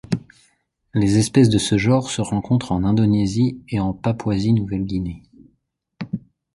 Les espèces de ce genre se rencontrent en Indonésie et en Papouasie-Nouvelle-Guinée.